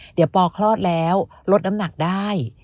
เดี๋ยวปอคลอดแล้วลดน้ำหนักได้